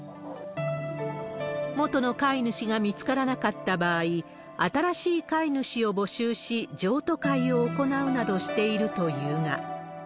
元の飼い主が見つからなかった場合、新しい飼い主を募集し、譲渡会を行うなどしているというが。